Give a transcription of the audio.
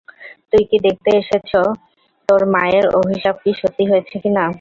তুই কি দেখতে এসেছ তোর মায়ের অভিশাপ সত্যি হয়েছে কিনা?